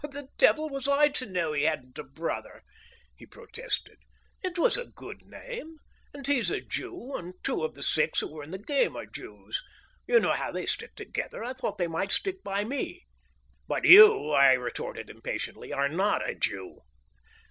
"How the devil was I to know he hadn't a brother?" he protested. "It was a good name, and he's a Jew, and two of the six who were in the game are Jews. You know how they stick together. I thought they might stick by me." "But you," I retorted impatiently, "are not a Jew!"